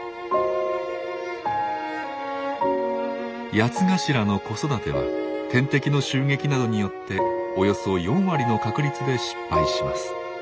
ヤツガシラの子育ては天敵の襲撃などによっておよそ４割の確率で失敗します。